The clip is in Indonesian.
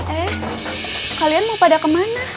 eh kalian mau pada kemana